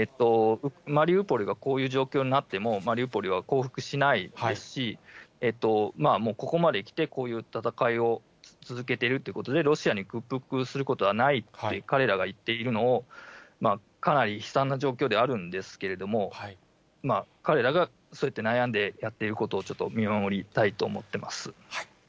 マリウポリがこういう状況になっても、マリウポリは降伏しないですし、ここまできて、こういう戦いを続けているということで、ロシアに屈服することはないって彼らが言っているのを、かなり悲惨な状況ではあるんですけれども、彼らがそうやって悩んでやっていることを見守りたいと思ってます。